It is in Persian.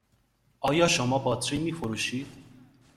آیا شما باطری می فروشید؟